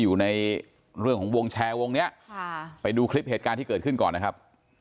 อยู่ในเรื่องของวงแชร์วงเนี้ยค่ะไปดูคลิปเหตุการณ์ที่เกิดขึ้นก่อนนะครับ